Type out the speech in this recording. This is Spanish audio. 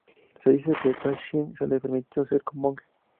Se dice que a Taksin se le permitió ser monje.